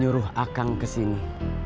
daruh akang ke sini